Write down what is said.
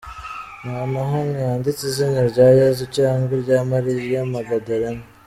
Nta na hamwe handitse izina rya Yezu cyangwa irya Mariya Magdalena.